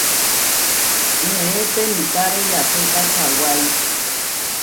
Neé penipáre yaséka kawái.